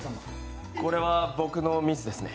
これは、僕のミスですね。